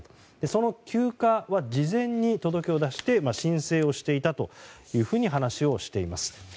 その休暇は事前に届けを出して申請をしていたというふうに話をしています。